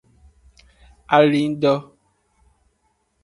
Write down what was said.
Alindo.